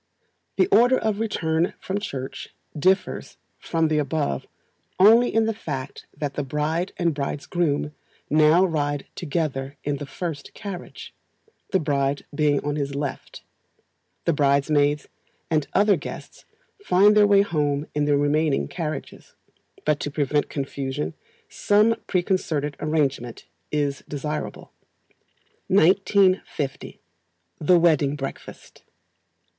The order of return from Church differs from the above only in the fact that the bride and bridegroom now ride together in the first carriage, the bride being on his left. The bridesmaids and other guests find their way home in the remaining carriages, but to prevent confusion some preconcerted arrangement is desirable. 1950. The Wedding Breakfast.